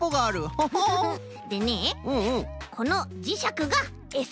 ホホ。でねこのじしゃくがエサ。